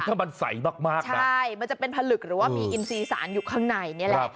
ถ้ามันใสมากใช่มันจะเป็นผลึกหรือว่ามีอินซีสารอยู่ข้างในนี่แหละ